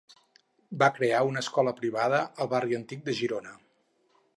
Va crear una escola privada al barri antic de Girona.